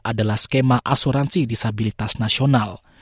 adalah skema asuransi disabilitas nasional